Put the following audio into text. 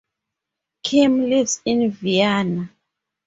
Kim lives in Vienna.